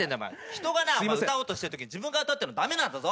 人が歌おうとしてるとき自分が歌うっていうの駄目なんだぞ。